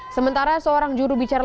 sementara seorang juru bicara